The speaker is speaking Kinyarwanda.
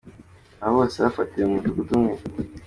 Aba bose bafatiwe mu mudugudu umwe.